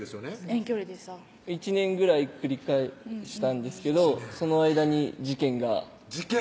遠距離でした１年ぐらい繰り返したんですけどその間に事件が事件！